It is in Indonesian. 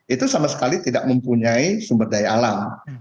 itu sama sekali tidak mempunyai sumber daya alam